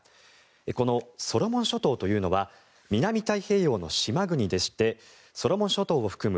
このソロモン諸島というのは南太平洋の島国でしてソロモン諸島を含む